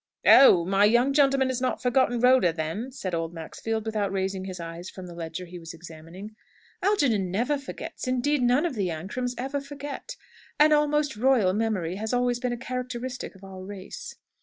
"Oh, my young gentleman has not forgotten Rhoda, then?" said old Maxfield, without raising his eyes from the ledger he was examining. "Algernon never forgets. Indeed, none of the Ancrams ever forget. An almost royal memory has always been a characteristic of our race."